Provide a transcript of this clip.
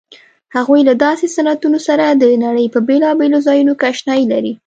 هغوی له داسې ستنو سره د نړۍ په بېلابېلو ځایونو کې آشنايي لري.